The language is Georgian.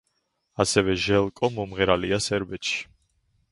ასევე ჟელკო მომღერალია სერბეთში.